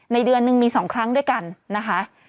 เดือนหนึ่งมี๒ครั้งด้วยกันนะคะ